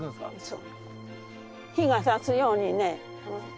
そう。